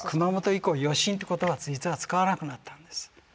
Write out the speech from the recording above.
以降余震って言葉は実は使わなくなったんです。